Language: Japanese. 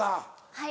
はい。